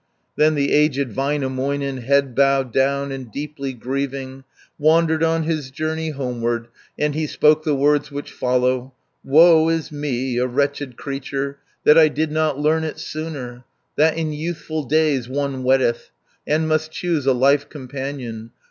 Then the aged Väinämöinen Head bowed down, and deeply grieving: 500 Wandered on his journey homeward, And he spoke the words which follow: "Woe is me, a wretched creature, That I did not learn it sooner, That In youthful days one weddeth, And must choose a life companion.